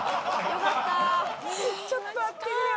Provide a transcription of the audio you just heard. ちょっと待ってくれよ。